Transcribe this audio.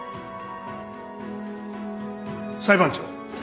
裁判長。